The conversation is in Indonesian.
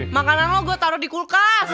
makanan lo gue taruh di kulkas